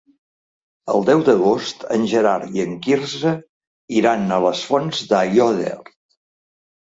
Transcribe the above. El deu d'agost en Gerard i en Quirze iran a les Fonts d'Aiòder.